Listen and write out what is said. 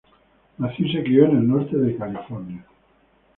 Nació y se crio en el norte de California.